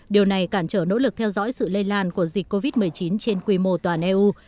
điều này cản trở nỗ lực theo dõi sự lây lan của dịch covid một mươi chín trên quy mô toàn eu